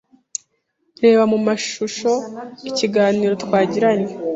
Reba mu mashusho ikiganiro twagiranye